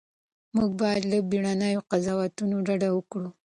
موږ باید له بیړنیو قضاوتونو ډډه وکړو.